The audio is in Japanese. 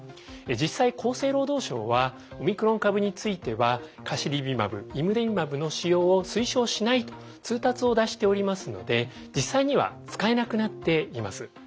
実際厚生労働省はオミクロン株についてはカシリビマブ／イムデビマブの使用を推奨しないと通達を出しておりますので実際には使えなくなっています。